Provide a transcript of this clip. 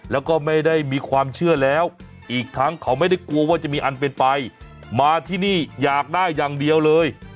แล้วก็ไม่ได้มีความเชื่อแล้วอีกทั้งเขาไม่ได้กลัวว่าจะมีอันเป็นไปมาที่นี่อยากได้อย่างเดียวเลย